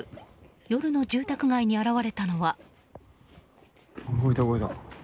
夜の住宅街に現れたのは。